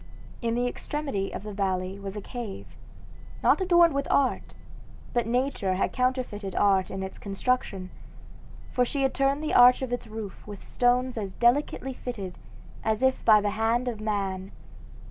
In the extremity of the valley was a cave, not adorned with art, but nature had counterfeited art in its construction, for she had turned the arch of its roof with stones as delicately fitted as if by the hand of man.